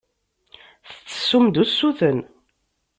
Tettessum-d usuten.